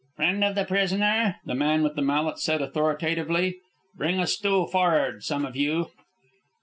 "Friend of the prisoner," the man with the mallet said authoritatively. "Bring a stool for'ard, some of you."